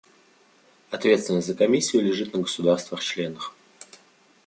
Ответственность за Комиссию лежит на государствах-членах.